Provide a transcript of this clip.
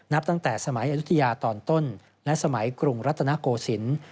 ตั้งแต่สมัยอายุทยาตอนต้นและสมัยกรุงรัตนโกศิลป์